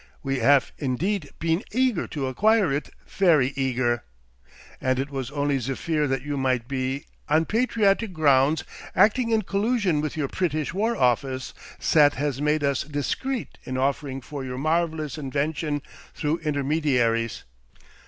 We haf indeed peen eager to acquire it fery eager; and it was only ze fear that you might be, on patriotic groundts, acting in collusion with your Pritish War Office zat has made us discreet in offering for your marvellous invention through intermediaries.